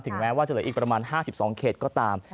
แม้ว่าจะเหลืออีกประมาณ๕๒เขตก็ตาม